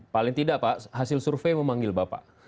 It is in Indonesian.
paling tidak pak hasil survei memanggil bapak